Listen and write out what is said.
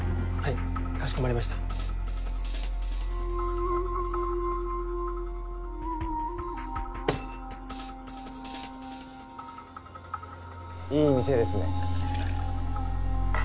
いい店ですね。